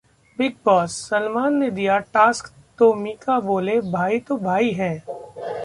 Bigg Boss: Salman ने दिया task तो मीका बोले- भाई तो भाई है